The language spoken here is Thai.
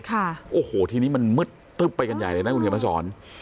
ทีนี้มันมึดไปกันใหญ่เลยนะคุณเฮียมภาษาสรรค์